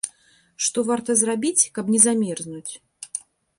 Што варта зрабіць, каб не замерзнуць.